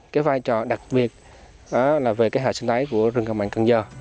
cái vai trò đặc biệt về cái hệ sinh thái của rừng cầm mạng cần dơ